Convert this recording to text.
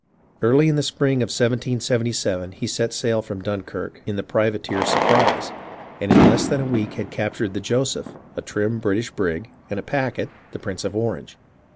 Early in the spring of 1777 he set sail from Dunkirk in the privateer Surprise, and in less than a week had captured the Joseph, a trim British brig, and a packet, TJie Priuce of Orange.